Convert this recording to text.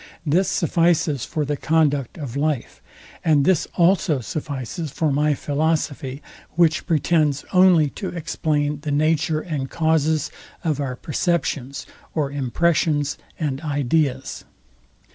This suffices for the conduct of life; and this also suffices for my philosophy, which pretends only to explain the nature and causes of our perceptions, or impressions and ideas.